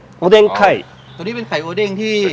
ตอนนี้เป็นไข่โอเด้งที่